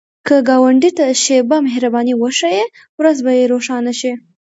که ګاونډي ته شیبه مهرباني وښایې، ورځ به یې روښانه شي